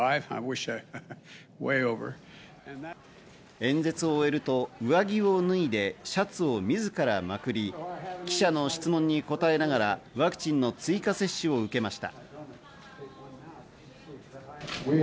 演説を終えると、上着を脱いでシャツをみずから腕まくり、記者の質問に答えながらワクチンの追加接種を受けました。